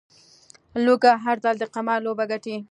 لوږه، هر ځل د قمار لوبه ګټي